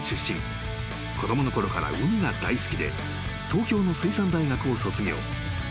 ［子供のころから海が大好きで東京の水産大学を卒業］